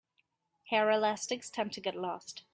Hair elastics tend to get lost.